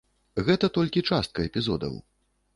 Гэта толькі частка эпізодаў.